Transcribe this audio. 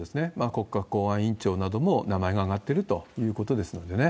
国家公安委員長なども名前が挙がってることなのですのでね。